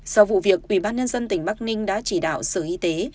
sau vụ việc ủy ban nhân dân tỉnh bắc ninh đã chỉ đạo sở y tế